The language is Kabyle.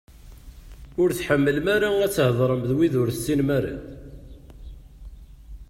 Ur tḥemmlem ara ad theḍṛem d wid ur tessinem ara?